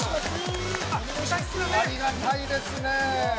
ありがたいですね。